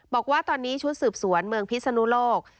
บอกว่าตอนนี้ชุดสืบสวนเมืองพิศนุโลก